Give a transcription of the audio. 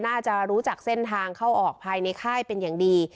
น่าจะรู้จักเส้นทางเข้าออกภายในค่ายเป็นอย่างดี